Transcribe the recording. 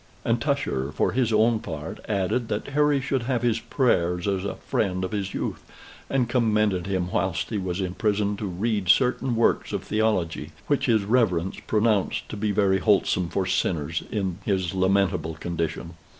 And Tusher, for his own part, added that Harry should have his prayers as a friend of his youth, and commended him whilst he was in prison to read certain works of theology, which his Reverence pronounced to be very wholesome for sinners in his lamentable condition.